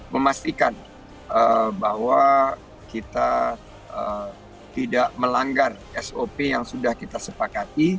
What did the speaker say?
memastikan bahwa kita tidak melanggar sop yang sudah kita sepakati